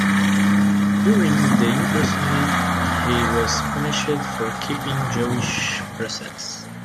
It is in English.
During the imprisonment he was punished for keeping Jewish precepts.